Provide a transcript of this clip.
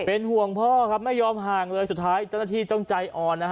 เป็นห่วงพ่อครับไม่ยอมห่างเลยสุดท้ายเจ้าหน้าที่ต้องใจอ่อนนะฮะ